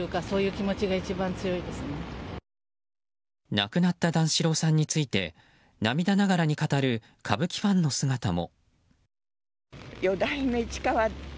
亡くなった段四郎さんについて涙ながらに語る歌舞伎ファンの姿も。